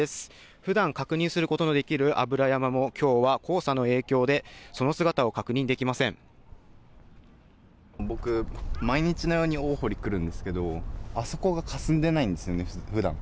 ふだん確認することのできるあぶら山もきょうは黄砂の影響で、そ僕、毎日のように大濠来るんですけれども、あそこがかすんでないんですよね、ふだん。